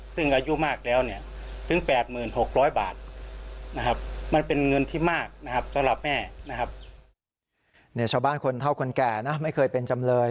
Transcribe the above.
ชาวบ้านคนเท่าคนแก่ไม่เคยเป็นจำเลย